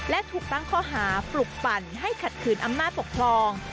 และถูกตั้งข้อหาปลุกปั่นให้ขัดขืนอำนาจปกครอง